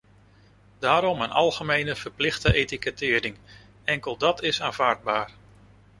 Daarom een algemeen verplichte etikettering, enkel dat is aanvaardbaar.